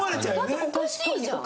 だっておかしいじゃん！